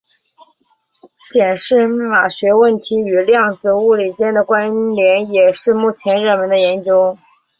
检视密码学问题与量子物理间的关连也是目前热门的研究。